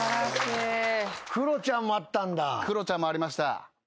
クロちゃんもありました。